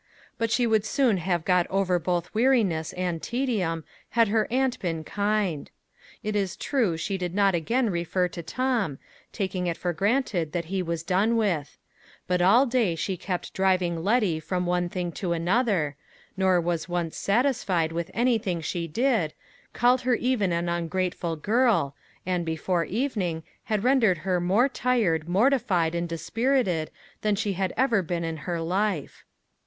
But she would soon have got over both weariness and tedium had her aunt been kind. It is true, she did not again refer to Tom, taking it for granted that he was done with; but all day she kept driving Letty from one thing to another, nor was once satisfied with anything she did, called her even an ungrateful girl, and, before evening, had rendered her more tired, mortified, and dispirited, than she had ever been in her life.